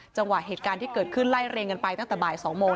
เหตุการณ์ที่เกิดขึ้นไล่เรียงกันไปตั้งแต่บ่าย๒โมง